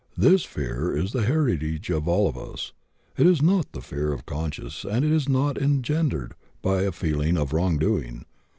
This fear is the heritage of all of us. It is not the fear of conscience and is not engendered by a feeling of wrongdoing.